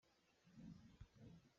Ka chuah ni ah rawl rak kan hrawng te.